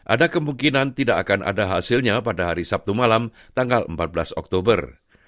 ada kemungkinan tidak akan ada hasilnya pada hari sabtu malam tanggal empat belas oktober